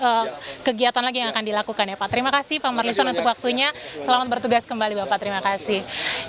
ada kegiatan lagi yang akan dilakukan ya pak terima kasih pak marlison untuk waktunya selamat bertugas kembali bapak terima kasih